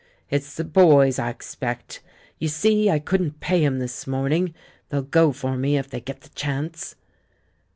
"It's the Boys, I expect I You see, I couldn't pay 'em this morning; they'll go for me if they; get the chance."